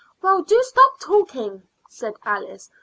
"Well, do stop talking," said Alice.